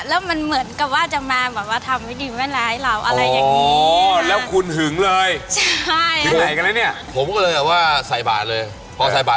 แล้วมันเหมือนกับว่าจะมาทำวิธีแม่นร้ายเราอะไรอย่างนี้